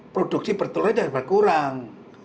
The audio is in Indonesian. produksi bertelurnya juga berkurang